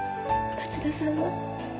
町田さんは？